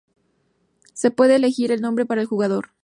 Se puede elegir el nombre para el jugador.